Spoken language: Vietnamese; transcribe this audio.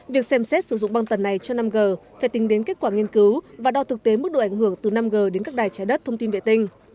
việc xem xét sử dụng băng tần này cho năm g phải tính đến kết quả nghiên cứu và đo thực tế mức độ ảnh hưởng từ năm g đến các đài trái đất thông tin vệ tinh